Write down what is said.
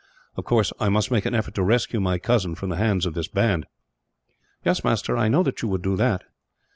Of course, I must make an effort to rescue my cousin from the hands of this band." "Yes, master, I knew that you would do that."